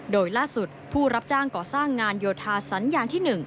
โดยล่าสุดผู้รับจ้างก่อสร้างงานโยธาสัญญาณที่๑